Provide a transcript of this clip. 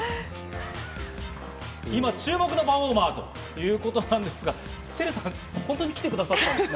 今、注目のパフォーマーということなんですが、ＴＥＲＵさん、本当に来てくださったんですね。